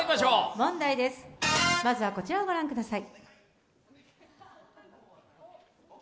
問題です、まずはこちらを御覧ください。